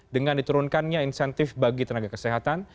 dengan diturunkannya insentif bagi tenaga kesehatan